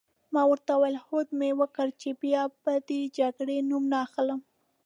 ما ورته وویل: هوډ مي وکړ چي بیا به د جګړې نوم نه اخلم.